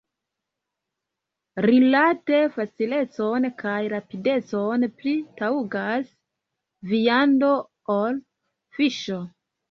Rilate facilecon kaj rapidecon pli taŭgas viando ol fiŝo.